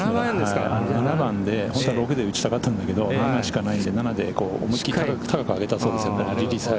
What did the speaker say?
７番で本当は６で打ちたかったんだけど７しかないので７で思い切り高く上げたそうです。